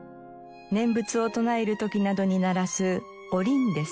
念仏を唱える時などに鳴らすおりんです。